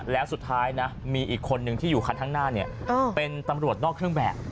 แล้วสุดท้ายนะมีอีกคนนึงที่อยู่คันข้างหน้าเป็นตำรวจนอกเครื่องแบบ